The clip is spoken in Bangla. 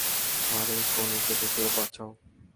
আরে কনেকে তো কেউ বাঁচাও!